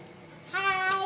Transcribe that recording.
はい。